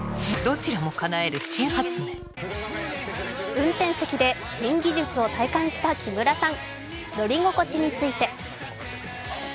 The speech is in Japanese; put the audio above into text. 運転席で新技術を体感した木村さん。